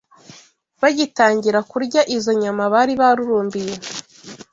bagitangira kurya izo nyama bari barurumbiye